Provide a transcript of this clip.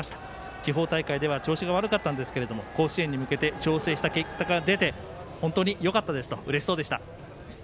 地方大会では調子が悪かったんですが甲子園に向けて調整した結果が出て本当によかったですとうれしそうでした。